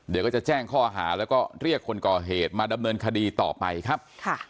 เดี๋ยวก็จะแจ้งข้อหาแล้วก็เรียกคนก่อเหตุมาดำเนินคดีต่อไปครับ